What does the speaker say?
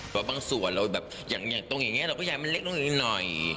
บางส่วนเราแบบอย่างตรงอย่างนี้ก็คือกว่าเขาเล็กลงเองหน่อย